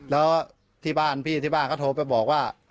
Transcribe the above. แล้วที่บ้านพี่ที่บ้านเขาโทรไปบอกว่า